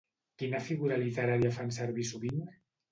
Quina figura literària fan servir sovint?